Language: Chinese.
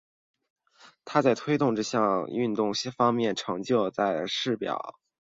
他在推动这项运动方面的成就和他在土俵上的实力一样被人们铭记。